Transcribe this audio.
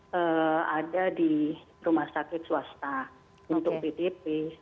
terutama di rumah sakit rumah sakit swasta untuk dtp